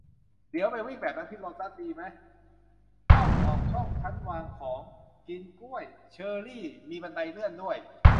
เดี๋ยวไปวิ่งแบบนั้นที่โลตัสดีมะ ? เข้าออกช่องชั้นวางของ กินกล้วย เชอรี่ มีบันไดเลื่อนด้วย